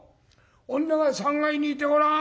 女が３階にいてごらん。